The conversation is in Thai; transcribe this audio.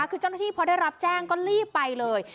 คือเจ้าหน้าที่พอได้รับแจ้งก็รีบไปเลย